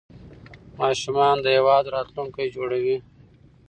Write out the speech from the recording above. ماشومان د هیواد راتلونکي جوړونکي دي.